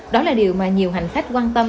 đó là điều mà nhiều hành khách quan tâm